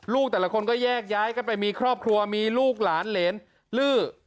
แต่ละคนก็แยกย้ายกันไปมีครอบครัวมีลูกหลานเหรนลื้อ